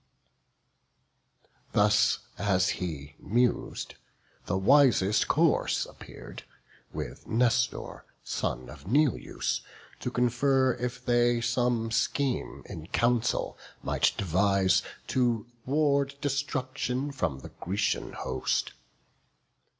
Thus as he mus'd, the wisest course appear'd, With Nestor, son of Neleus, to confer, If they some scheme in council might devise To ward destruction from the Grecian host.